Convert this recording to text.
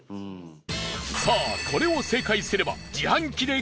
さあ、これを正解すれば自販機でゴー！